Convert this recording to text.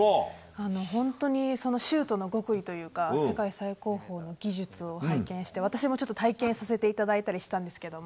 本当にシュートの極意というか世界最高峰の技術を拝見して私も体験させていただいたりしたんですけども。